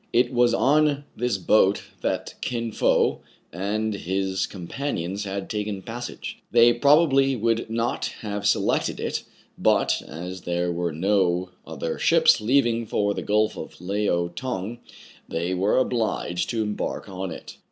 It was on this boat that Kin Fo and his com panions had taken passage. They probably would not have selected it ; but, as there were no other KIN FO'S MARKET VALUE UNCERTAIN. 189 ships leaving for the Gulf of Leao Tong, they were obliged to embark on it.